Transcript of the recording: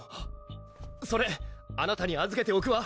・それあなたにあずけておくわ！